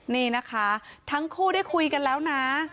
นี่นะคะทั้งคู่ได้คุยกันแล้วนะ